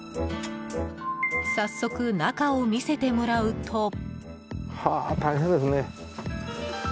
早速、中を見せてもらうと。